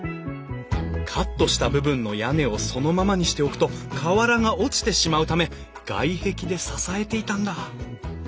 カットした部分の屋根をそのままにしておくと瓦が落ちてしまうため外壁で支えていたんだ。